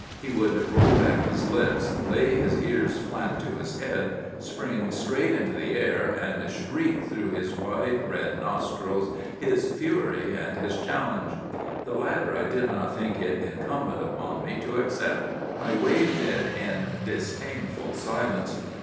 He would roll back his lips, lay his ears flat to his head, spring straight into the air, and shriek through his wide, red nostrils his fury and his challenge. The latter I did not think it incumbent upon me to accept. I waived it in disdainful silence.